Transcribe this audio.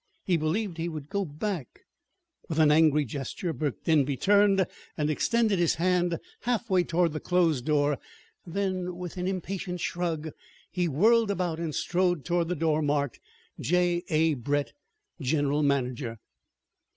He believed he would go back With an angry gesture Burke Denby turned and extended his hand halfway toward the closed door. Then, with an impatient shrug, he whirled about and strode toward the door marked "J. A. Brett, General Manager."